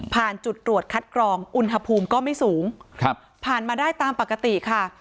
จุดตรวจคัดกรองอุณหภูมิก็ไม่สูงครับผ่านมาได้ตามปกติค่ะ